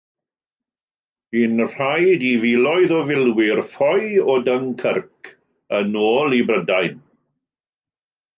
Bu'n rhaid i filoedd o filwyr ffoi o Dunkirk yn ôl i Brydain.